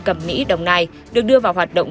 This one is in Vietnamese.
cẩm mỹ đồng nai được đưa vào hoạt động